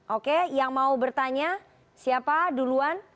oke yang mau bertanya siapa duluan